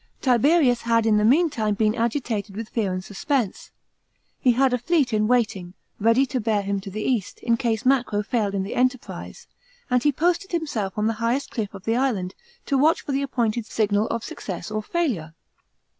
Tiberius had in the meantime been agitated with fear and sus pense. He had a fleet in waiting, ready to bear him to the east, in case Macro failed in the enterprise, and he posted himself on the highest cliff of the island, to watch for the appointed signal ot success or failure.